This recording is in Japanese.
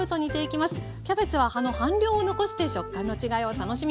キャベツは葉の半量を残して食感の違いを楽しみます。